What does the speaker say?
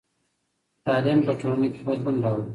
تعلیم په ټولنه کې بدلون راولي.